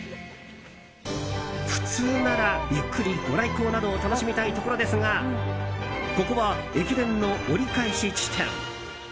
普通なら、ゆっくりご来光などを楽しみたいところですがここは駅伝の折り返し地点。